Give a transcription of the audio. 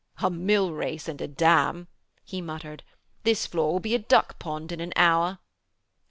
'A mill race and a dam,' he muttered. 'This floor will be a duck pond in an hour.'